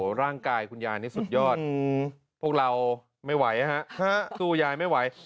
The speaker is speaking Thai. ร่างกายคุณยายนี่สุดยอดพวกเราไม่ไหวฮะสู้ยายไม่ไหว